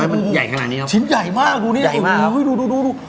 มันใหญ่ขนาดนี้ครับชิ้นใหญ่มากดูนี่ใหญ่มากดูดูดู